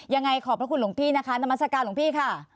ยังไงขอบพระคุณหลวงพี่นะคะนามัศกาลหลวงพี่ค่ะ